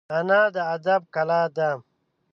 انا د ادب کلا ده